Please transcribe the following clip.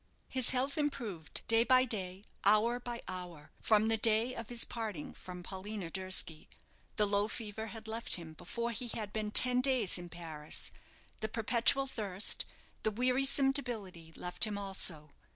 His health improved day by day, hour by hour, from the day of his parting from Paulina Durski. The low fever had left him before he had been ten days in Paris; the perpetual thirst, the wearisome debility, left him also.